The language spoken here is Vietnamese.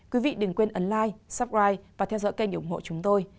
quý vị đừng quên ấn like subscribe và theo dõi kênh ủng hộ chúng tôi